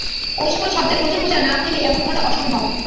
ঐ সকল শব্দের প্রচুর প্রচার না হইলে এমন ঘটা অসম্ভব।